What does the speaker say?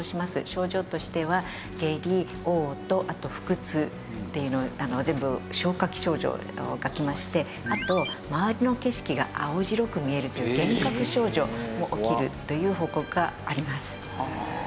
症状としては下痢嘔吐あと腹痛っていうの全部消化器症状がきましてあと周りの景色が青白く見えるという幻覚症状も起きるという報告があります。